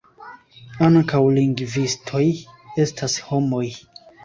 Ankaŭ lingvistoj estas homoj.